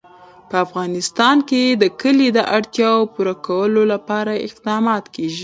په افغانستان کې د کلي د اړتیاوو پوره کولو لپاره اقدامات کېږي.